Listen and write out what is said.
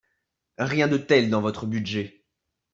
Rien de tel dans votre budget